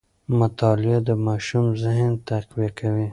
مطالعه د ماشوم ذهن تقویه کوي.